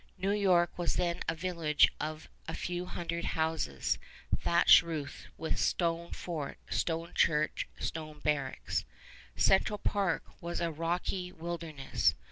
New York was then a village of a few hundred houses, thatch roofed, with stone fort, stone church, stone barracks. Central Park was a rocky wilderness.